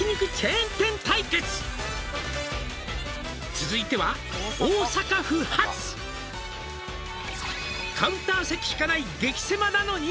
「続いては大阪府発」「カウンター席しかない激狭なのに」